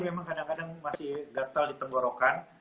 memang kadang kadang masih gatal di tenggorokan